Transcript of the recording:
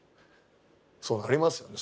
そうなりますわね